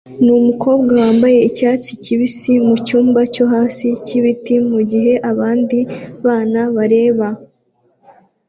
numukobwa wambaye icyatsi kibisi mucyumba cyo hasi cyibiti mugihe abandi bana bareba